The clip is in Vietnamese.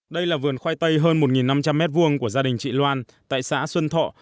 đây là vườn khoai tây hơn một năm trăm linh m hai của gia đình chị loan tại xã xuân thọ